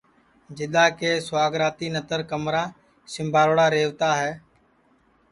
جِدا کہ سُواگراتی نتر کمرا سجاوڑا ریوتا ہے